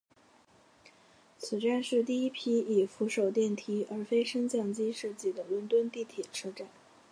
此站是第一批以扶手电梯而非升降机设计的伦敦地铁车站。